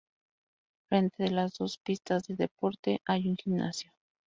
Frente de las dos pistas de deporte hay un gimnasio.